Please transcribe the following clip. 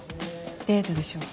デートでしょう。